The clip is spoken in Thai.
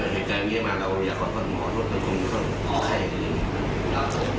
เดินใจไปเองมาเราอยากขอโทษผู้ขอโทษผู้กำคับใครอย่างนี้